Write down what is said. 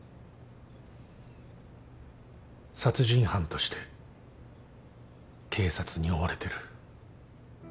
殺人犯として警察に追われてる。